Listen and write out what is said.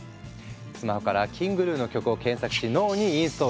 スマホからＫｉｎｇＧｎｕの曲を検索し脳にインストール。